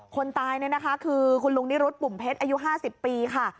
คนตายเนี่ยนะคะคือคุณลุงนิรุธปุ่มเพชรอายุ๕๐ปีค่ะ